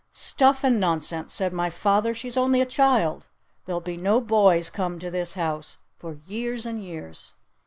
"Stuff and nonsense!" said my father. "She's only a child! There'll be no boys come to this house for years and years!"